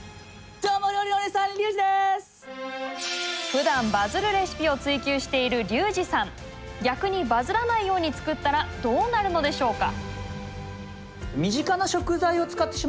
ふだんバズるレシピを追求している逆にバズらないように作ったらどうなるのでしょうか？